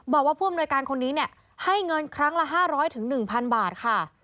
ผู้อำนวยการคนนี้ให้เงินครั้งละ๕๐๐๑๐๐บาทค่ะ